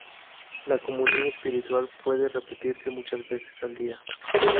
La Comunión Espiritual puede repetirse muchas veces al día.